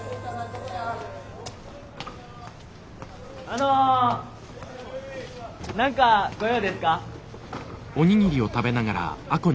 あの何か御用ですか？